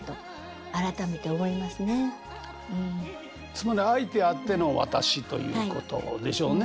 つまり相手あっての私ということでしょうね。